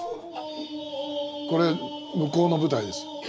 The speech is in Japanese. これ向こうの舞台です。